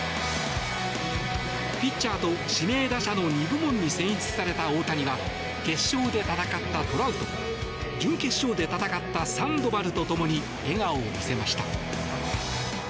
ピッチャーと指名打者の２部門に選出された大谷は決勝で戦ったトラウト準決勝で戦ったサンドバルと共に笑顔を見せました。